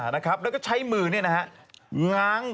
นะครับแล้วก็ใช้มือนี่นะฮะ